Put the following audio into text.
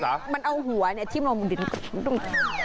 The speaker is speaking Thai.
คือมันเอาหัวเนี่ยที่มันลงดิ่ง